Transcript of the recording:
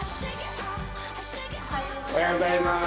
おはようございます。